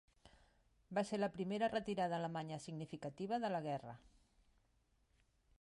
Va ser la primera retirada alemanya significativa de la guerra.